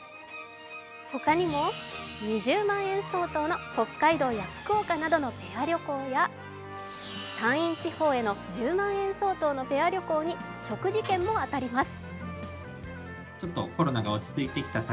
ほかにも２０万円相当の北海道や福岡などのペア旅行や山陰地方への１０万円相当のペア旅行に食事券も当たります。